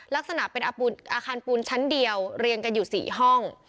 ลักษณะเป็นอาคารปูนชั้นเดียวเรียงกันอยู่๔ห้อง